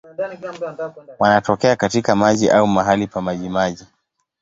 Wanatokea katika maji au mahali pa majimaji.